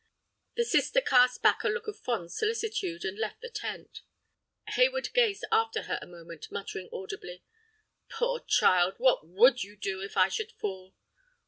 The sister cast back a look of fond solicitude, and left the tent. Hayward gazed after her a moment, muttering audibly: "Poor child, what would you do if I should fall.